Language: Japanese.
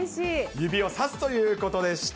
指をさすということでした。